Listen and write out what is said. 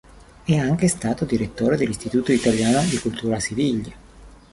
È anche stato direttore dell'Istituto Italiano di Cultura a Siviglia.